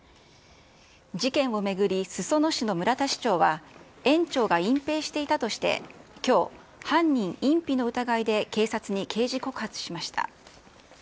事件を巡り、裾野市の村田市長は、園長が隠蔽していたとして、きょう、犯人隠避の疑いで警察に刑事告発しました。